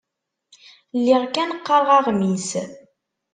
Lliɣ kan qqareɣ aɣmis.